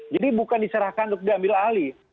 jadi bukan diserahkan untuk diambil alih